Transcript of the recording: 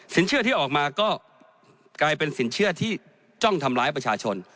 เชื่อที่ออกมาก็กลายเป็นสินเชื่อที่จ้องทำร้ายประชาชน